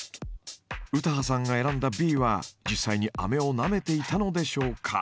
詩羽さんが選んだＢは実際にあめをなめていたのでしょうか？